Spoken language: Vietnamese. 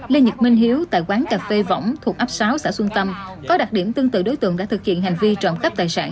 lê nhật minh hiếu tại quán cà phê võng thuộc ấp sáu xã xuân tâm có đặc điểm tương tự đối tượng đã thực hiện hành vi trộm cắp tài sản